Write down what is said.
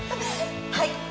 はい！